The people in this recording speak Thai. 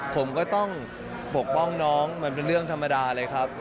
ผมก็ต้องปกป้องน้องมันเป็นเรื่องธรรมดาเลยครับ